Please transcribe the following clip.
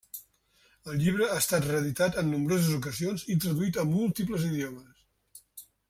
El llibre ha estat reeditat en nombroses ocasions i traduït a múltiples idiomes.